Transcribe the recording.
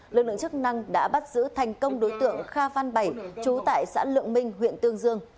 lực lượng chức năng đã bắt giữ thành công đối tượng kha phan bảy chú tại xã lượng minh huyện tương dương